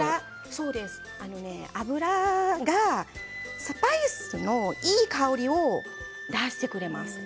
油がスパイスのいい香りを出してくれます。